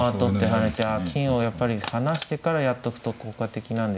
金をやっぱり離してからやっとくと効果的なんですね。